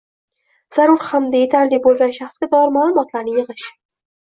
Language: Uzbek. zarur hamda yetarli bo‘lgan shaxsga doir ma’lumotlarni yig‘ish